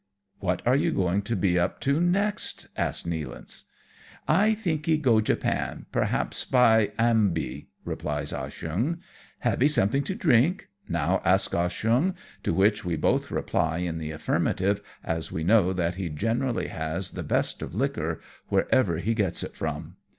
'^ What are you going to be up to next?" asks Nealance. "I tinkee go Japan, perhaps by am by," replies Ah Cheong. " Havee something to drink ?" now asks Ah Cheong, to which we both reply in the affirmative, as we know that he generally has the best of liquor, wherever he gets it from.